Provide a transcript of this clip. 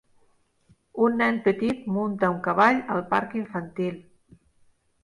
Un nen petit munta un cavall al parc infantil.